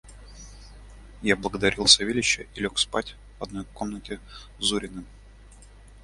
Я благодарил Савельича и лег спать в одной комнате с Зуриным.